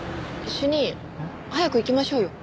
主任早く行きましょうよ。